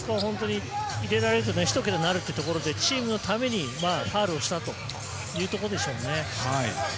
ひと桁になるというところでチームのためにファウルをしたというところでしょうね。